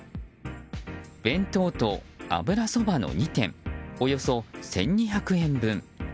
弁当と油そばの２点およそ１２００円分。